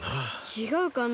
ちがうかな。